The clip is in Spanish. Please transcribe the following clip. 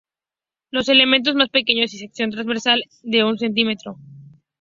Los elementos más pequeños y sección transversal de un centímetro.